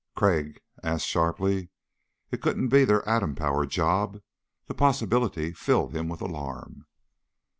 Crag asked sharply. "It couldn't be their atom powered job?" The possibility filled him with alarm.